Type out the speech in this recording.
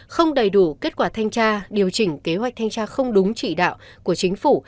không đầy đủ kết quả thanh tra điều chỉnh kế hoạch thanh tra không đúng chỉ đạo của chính phủ